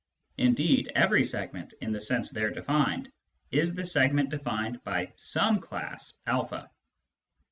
; indeed, every segment in the sense there defined is the segment defined by some class a.